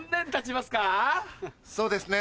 そうですね